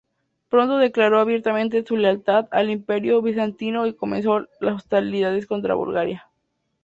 Pronto declaró abiertamente su lealtad al Imperio bizantino y comenzó las hostilidades contra Bulgaria.